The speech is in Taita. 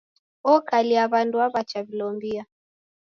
Okalia w'andu waw'achaw'ilombia.